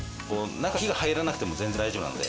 中に火が入らなくても全然大丈夫なので。